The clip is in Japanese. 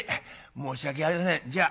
「申し訳ありませんじゃあ。